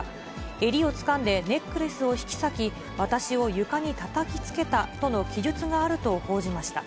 襟をつかんでネックレスを引き裂き、私を床にたたきつけたとの記述があると報じました。